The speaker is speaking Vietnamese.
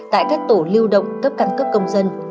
tại các tổ lưu động cấp căn cước công dân